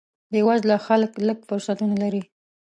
بې وزله خلک لږ فرصتونه لري.